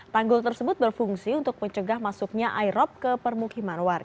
tanggul tersebut berfungsi untuk mencegah masuknya aerob ke permukiman warga